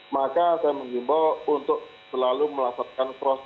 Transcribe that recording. maka saya mengimbau untuk selalu melaksanakan prosjek